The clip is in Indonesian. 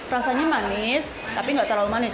rasanya manis tapi nggak terlalu manis